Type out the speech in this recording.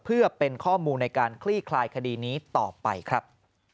เพื่อเป็นข้อมูลในการคลี่คลายคดีนี้ต่อไปครับ